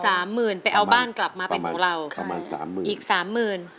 สามหมื่นไปเอาบ้านกลับมาไปของเราอีกสามหมื่น